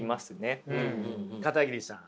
片桐さん